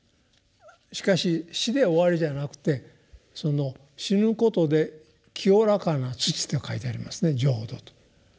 しかし「死」で終わりじゃなくて死ぬことで「浄らかな土」と書いてありますね「浄土」と。